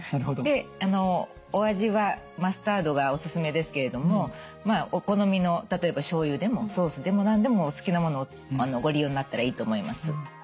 でお味はマスタードがおすすめですけれどもまあお好みの例えばしょうゆでもソースでも何でもお好きなものをご利用になったらいいと思います。